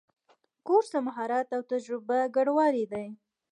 کورس د مهارت او تجربه ګډوالی دی.